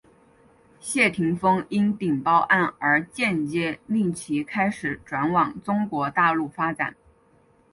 谢霆锋因顶包案而间接令其开始转往中国大陆发展。